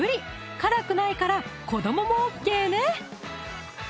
辛くないから子どももＯＫね！